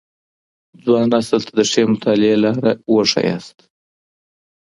ځوان نسل ته د ښې مطالعې لاره وښاياست.